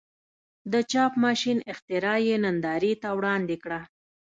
د چاپ ماشین اختراع یې نندارې ته وړاندې کړه.